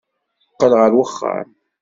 Qqel ɣer uxxam.